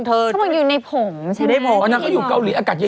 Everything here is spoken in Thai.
ท่อนี้ทำงานได้แล้วตึงสวยแล้วแสกข้างได้